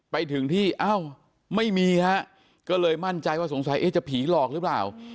ไปถึงที่เอ้าไม่มีฮะก็เลยมั่นใจว่าสงสัยเอ๊ะจะผีหลอกหรือเปล่า